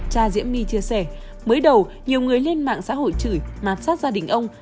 cha diễm my chia sẻ mới đầu nhiều người lên mạng xã hội chửi mạp sát gia đình ông